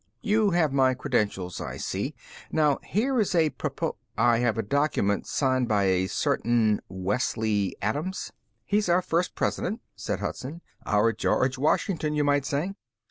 "You have my credentials, I see. Now here is a propos " "I have a document signed by a certain Wesley Adams." "He's our first president," said Hudson. "Our George Washington, you might say."